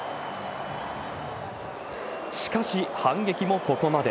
しかし、反撃もここまで。